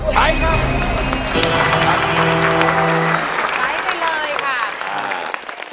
ใช้ไปเลยค่ะ